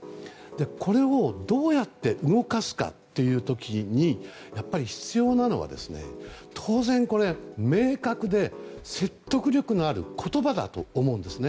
これをどうやって動かすかという時にやっぱり必要なのは当然、明確で説得力のある言葉だと思うんですね。